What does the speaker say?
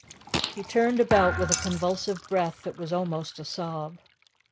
He turned about with a convulsive breath that was almost a sob.